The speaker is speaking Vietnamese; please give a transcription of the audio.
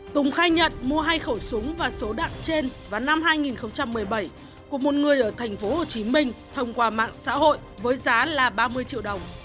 tùng khai nhận mua hai khẩu súng và số đạn trên vào năm hai nghìn một mươi bảy của một người ở tp hcm thông qua mạng xã hội với giá là ba mươi triệu đồng